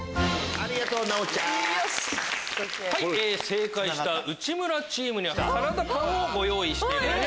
正解した内村チームにはサラダパンをご用意しています。